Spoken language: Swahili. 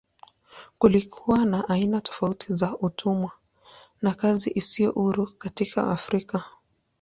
Kulikuwa na aina tofauti za utumwa na kazi isiyo huru katika Afrika.